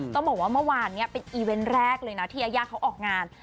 ต้องบอกว่าเมื่อวานนี้เป็นอีเวนต์แรกเลยนะที่ยายาเขาออกงาน